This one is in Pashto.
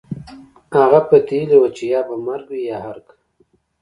هغه پتېيلې وه چې يا به مرګ وي يا ارګ.